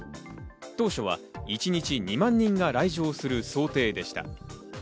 当初は一日２万人が来場する想定でした。